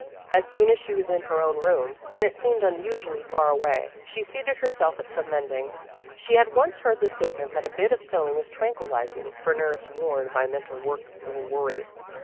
As soon as she was in her own room and it seemed unusually far away she seated herself at some mending. She had once heard the statement that a bit of sewing is tranquillizing for nerves worn by mental work or worry.